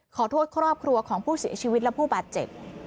ขอโทษครอบครัวของผู้เสียชีวิตและผู้บาดเจ็บ